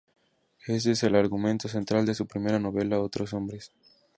Ese es el argumento central de su primera novela, "Otros hombres".